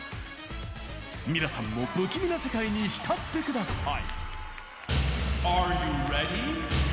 皆さんも不気味な世界に浸ってください。